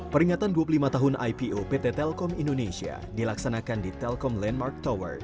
peringatan dua puluh lima tahun ipo pt telkom indonesia dilaksanakan di telkom landmark tower